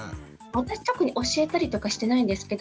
私特に教えたりとかしてないんですけど。